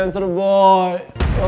sana pergi jauh loh